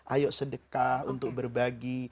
ayo sedekah untuk berbagi